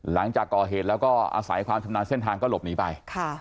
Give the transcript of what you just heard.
หลังจากก่อเหตุแล้วก็อาศัยความชำนาญเส้นทางก็หลบหนีไป